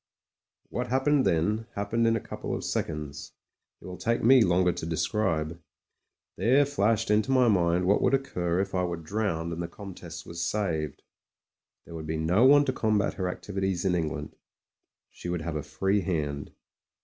What happened then, happened in a couple of seconds ; it will take me longer to describe. There flashed into my mind what would occur if I were drpwned and the Comtesse was saved. There would be no one to combat her activities in England ; she would have a free hand.